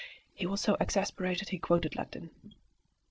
He was so exasperated he quoted Latin.